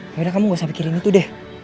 akhirnya kamu gak usah pikirin itu deh